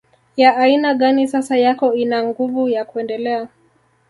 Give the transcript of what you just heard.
ya aina gani sasa yako ina nguvu ya kuendelea